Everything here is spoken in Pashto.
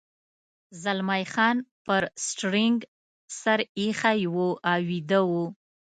زلمی خان پر سټرینګ سر اېښی و او ویده و.